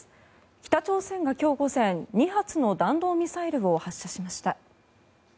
北朝鮮が今日午前２発の弾道ミサイルを発射しました。